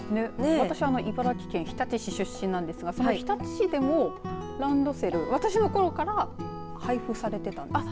私、茨城県日立市出身なんですが日立市でもランドセル、私のころから配布されてたんです。